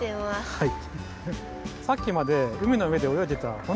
はい。